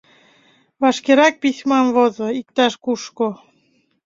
— Вашкерак письмам возо, иктаж-кушко...